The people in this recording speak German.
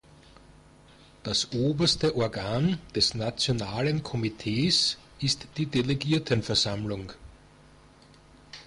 Das oberste Organ des nationalen Komitees ist die Delegiertenversammlung.